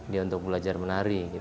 dia untuk belajar menari